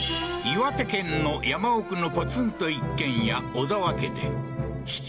岩手県の山奥のポツンと一軒家小澤家で父